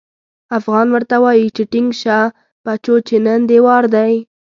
افغان ورته وايي چې ټينګ شه بچو چې نن دې وار دی.